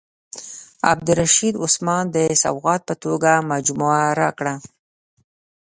عبدالرشید عثمان د سوغات په توګه مجموعه راکړه.